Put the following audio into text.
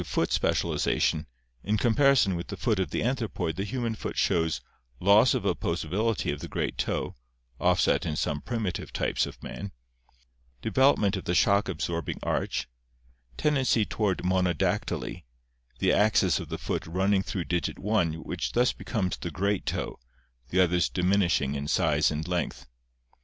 *;—:_; form; sc, scaphoid; Id, trapezoid; Im, trapezium; specialization, in compan ^ ,;d|omi l™ *™"•— son with the foot of the anthropoid the human foot shows: toss of opposability of the great toe, offset in some primitive types of man; development of the shock absorbing arch; tendency toward monodactyly, the axis of the foot running through digit one which thus becomes the "great toe," the others diminishing in size and length.